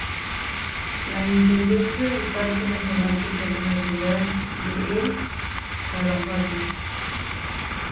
La intendencia del parque nacional se encuentra en la ciudad de El Calafate.